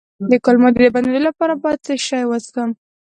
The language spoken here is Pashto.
د کولمو د بندیدو لپاره باید څه شی وڅښم؟